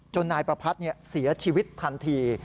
นายประพัทธ์เสียชีวิตทันที